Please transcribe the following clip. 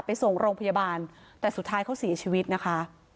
ไปส่งโรงพยาบาลแต่สุดท้ายเขาเสียชีวิตนะคะ